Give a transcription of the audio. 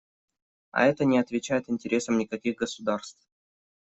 А это не отвечает интересам никаких государств.